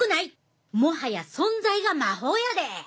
もはや存在が魔法やで！